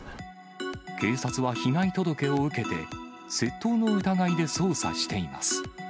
警察は被害届を受けて、窃盗の疑いで捜査しています。